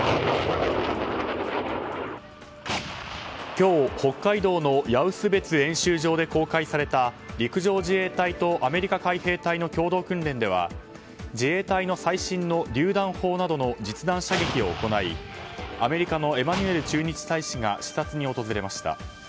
今日、北海道の矢臼別演習場で公開された陸上自衛隊とアメリカ海兵隊の共同訓練では、自衛隊の最新のりゅう弾砲などの実弾射撃を行い、アメリカのエマニュエル駐日大使が視察に訪れました。